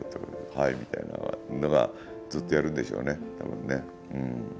「はい」みたいなのがずっとやるんでしょうね多分ね。